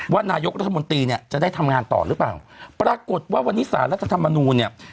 ว่านายกรัฐมนตรีเนี่ยจะได้ทำงานต่อหรือเปล่าปรากฏว่าวันนี้สารรัฐธรรมนูลเนี่ย